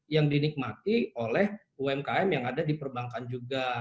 yang dinikmati oleh umkm yang ada di perbankan juga